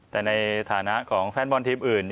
แต่ในฐานะของแฟนบอลทีมอื่น